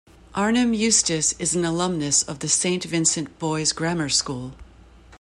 Arnhim Eustace is an alumnus of the Saint Vincent Boys' Grammar School.